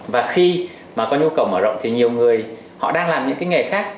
và khi mà có nhu cầu mở rộng thì nhiều người họ đang làm những cái nghề khác